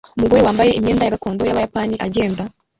Umugore wambaye imyenda gakondo yabayapani agenda